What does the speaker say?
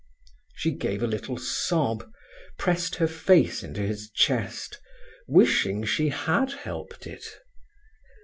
She gave a little sob, pressed her face into his chest, wishing she had helped it.